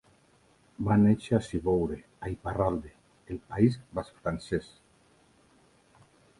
Va néixer a Ciboure, a Iparralde, el País Basc francès.